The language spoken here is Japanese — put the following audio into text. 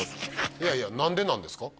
いやいや何でなんですか？